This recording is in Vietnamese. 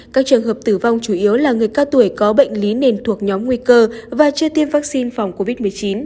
các trường hợp tử vong chủ yếu là người cao tuổi có bệnh lý nền thuộc nhóm nguy cơ và chưa tiêm vaccine phòng covid một mươi chín